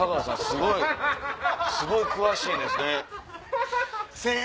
すごいすごい詳しいんですね。